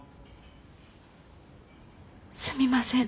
すみません。